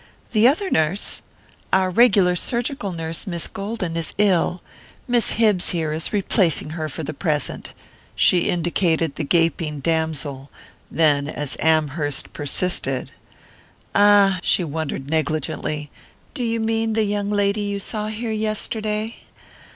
"The other nurse? Our regular surgical nurse, Miss Golden, is ill Miss Hibbs, here, is replacing her for the present." She indicated the gaping damsel; then, as Amherst persisted: "Ah," she wondered negligently, "do you mean the young lady you saw here yesterday?